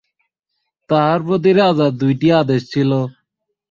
তাঁহার প্রতি রাজার দুইটি আদেশ ছিল।